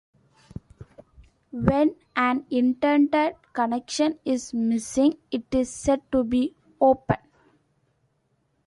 When an intended connection is missing it is said to be "open".